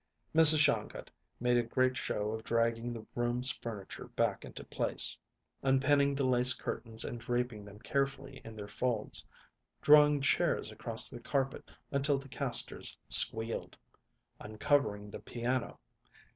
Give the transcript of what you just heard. Mrs. Shongut made a great show of dragging the room's furniture back into place; unpinning the lace curtains and draping them carefully in their folds; drawing chairs across the carpet until the casters squealed; uncovering the piano.